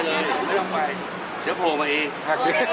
เดี๋ยวโผล่มาอีก